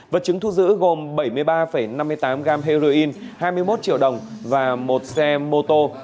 vật chứng thu giữ gồm bảy mươi ba năm mươi tám g heroin hai mươi một triệu đồng và một xe mô tô